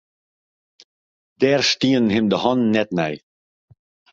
Dêr stienen him de hannen net nei.